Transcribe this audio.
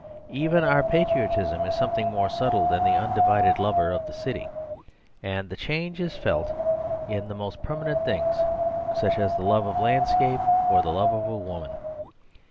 Even our patriotism is something more subtle than the undivided lover of the city; and the change is felt in the most permanent things, such as the love of landscape or the love of woman.